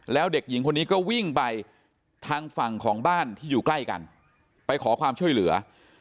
แล้วเด็กหญิงคนนี้ก็วิ่งไปทางฝั่งของบ้านที่อยู่ใกล้กันไปขอความช่วยเหลือ